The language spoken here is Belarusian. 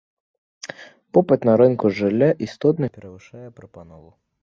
Попыт на рынку жылля істотна перавышае прапанову.